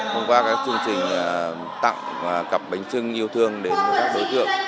thông qua các chương trình tặng và cặp bánh trưng yêu thương đến các đối tượng